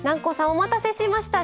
お待たせしました。